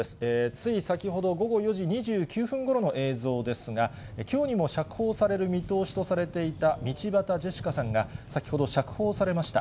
つい先ほど、午後４時２９分ごろの映像ですが、きょうにも釈放される見通しとされていた道端ジェシカさんが、先ほど釈放されました。